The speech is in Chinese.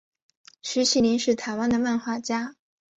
徐麒麟是台湾的漫画家。